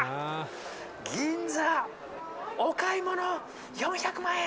銀座お買い物４００万円。